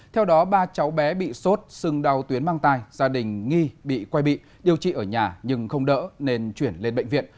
theo đó ba cháu bé bị sốt sưng đau tuyến mang tai gia đình nghi bị quay bị điều trị ở nhà nhưng không đỡ nên chuyển lên bệnh viện